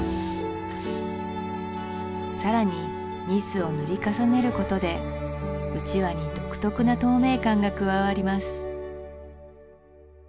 更にニスを塗り重ねることでうちわに独特な透明感が加わります